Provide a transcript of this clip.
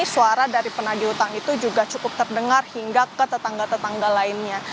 suara dari penagih utang itu juga cukup terdengar hingga ke tetangga tetangga lainnya